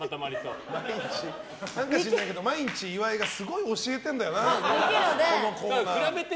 何か知らないけど、毎日岩井がすごい教えてんだよな比べて？